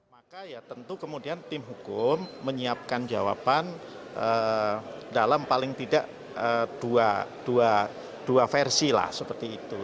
maka ya tentu kemudian tim hukum menyiapkan jawaban dalam paling tidak dua versi lah seperti itu